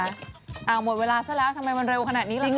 นะคะอ่าหมดเวลาซะแล้วทำไมมันเร็วขนาดนี้ละคะ